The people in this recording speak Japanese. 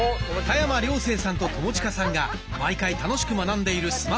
田山涼成さんと友近さんが毎回楽しく学んでいるスマホ講座。